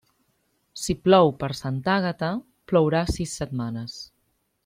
Si plou per Santa Àgata, plourà sis setmanes.